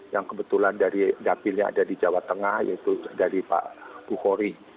yang kebetulan dari dapilnya ada di jawa tengah yaitu dari pak bukhori